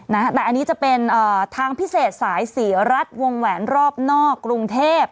แต่อันนี้จะเป็นทางพิเศษสายศรีรัฐวงแหวนรอบนอกกรุงเทพ